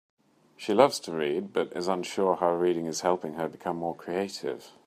She loves to read, but is unsure how reading is helping her become more creative.